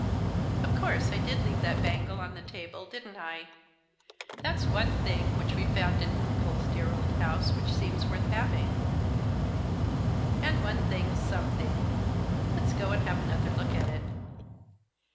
" Of course. I did leave that bangle on the table, didn't I? That's one thing which we've found in uncle's dear old house which seems worth having; and one thing's something. Let's go and have another look at it."